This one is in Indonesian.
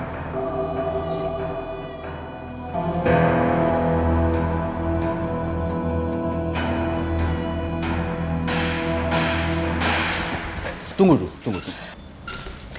bisiert sih dayanya